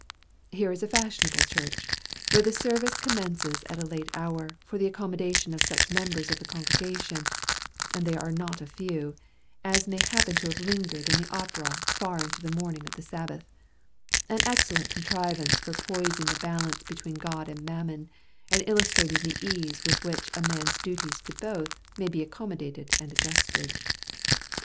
Here is a fashionable church, where the service commences at a late hour, for the accommodation of such members of the congregation—and they are not a few—as may happen to have lingered at the Opera far into the morning of the Sabbath; an excellent contrivance for poising the balance between God and Mammon, and illustrating the ease with which a man's duties to both, may be accommodated and adjusted.